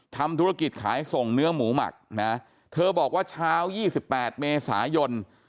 ทำธุรกิจขายส่งเนื้อหมูหมักนะเธอบอกว่าเช้า๒๘เมษายน